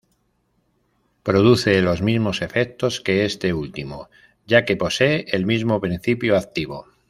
Produce los mismos efectos que este último, ya que poseen el mismo principio activo.